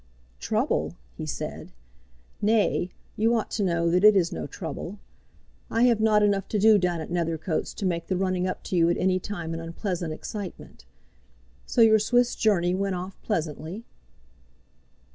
"Trouble!" he said. "Nay, you ought to know that it is no trouble. I have not enough to do down at Nethercoats to make the running up to you at any time an unpleasant excitement. So your Swiss journey went off pleasantly?"